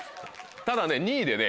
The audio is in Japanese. ただね２位でね